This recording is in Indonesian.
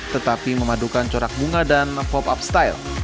tetapi memadukan corak bunga dan pop up style